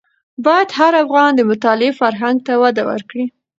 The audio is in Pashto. باید هر افغان د مطالعې فرهنګ ته وده ورکړي.